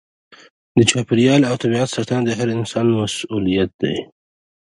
د چاپیریال او طبیعت ساتنه د هر انسان مسؤلیت دی.